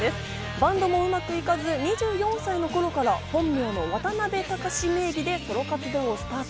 バンドもうまくいかず、２４歳の頃から本名のワタナベタカシ名義でソロ活動をスタート。